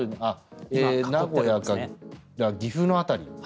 名古屋から岐阜の辺り。